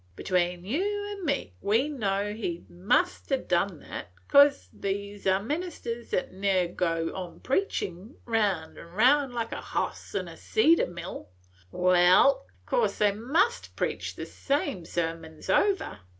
'Tween you 'n me, we know he must ha' done that, cause these 'ere ministers thet nev to go preachin' round 'n' round like a hoss in a cider mill, – wal', course they must preach the same sermons over.